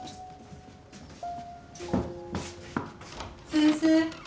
先生。